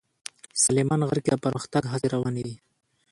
سلیمان غر کې د پرمختګ هڅې روانې دي.